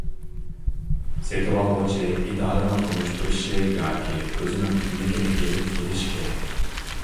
سېتىۋالغۇچى ئىدارىنىڭ تونۇشتۇرۇشى ياكى ئۆزىنىڭ كىملىكىنى ئېلىپ كېلىشى كېرەك.